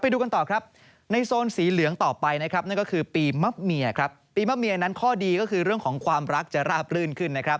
ดูกันต่อครับในโซนสีเหลืองต่อไปนะครับนั่นก็คือปีมะเมียครับปีมะเมียนั้นข้อดีก็คือเรื่องของความรักจะราบรื่นขึ้นนะครับ